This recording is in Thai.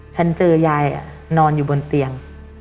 ฉันเจอยายนอนอยู่บนเตียง